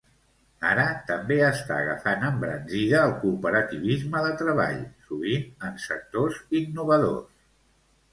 Ara també està agafant embranzida el cooperativisme de treball, sovint en sectors innovadors.